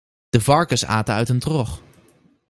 De varkens aten uit een trog.